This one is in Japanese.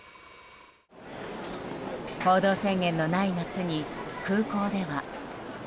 行動制限のない夏に空港では。